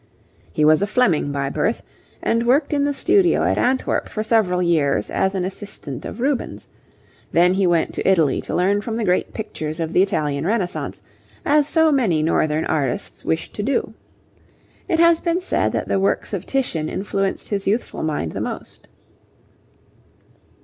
He was a Fleming by birth, and worked in the studio at Antwerp for several years as an assistant of Rubens; then he went to Italy to learn from the great pictures of the Italian Renaissance, as so many Northern artists wished to do. It has been said that the works of Titian influenced his youthful mind the most.